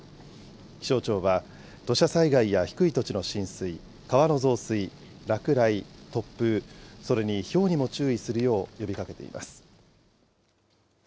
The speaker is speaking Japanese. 気象庁は、土砂災害や低い土地の浸水、川の増水、落雷、突風、それにひょうにも注意するよう呼びかけています。